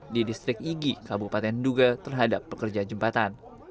di distrik egy kabupaten duga terhadap pekerjaan jembatan